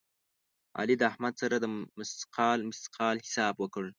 علي د احمد سره د مثقال مثقال حساب وکړ.